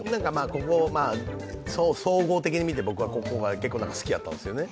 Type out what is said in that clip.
ここ、総合的にみてここが一番好きやったんですよね。